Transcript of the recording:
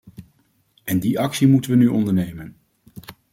En die actie moeten we nu ondernemen.